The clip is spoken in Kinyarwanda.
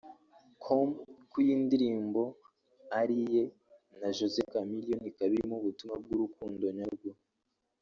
com ko iyi ndirimbo ari iye na Jose Chameleone ikaba irimo ubutumwa bw'urukundo nyarwo